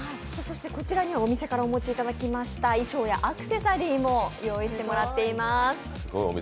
こちらにはお店からお持ちいただいた衣装やアクセサリーもご用意してくださっています。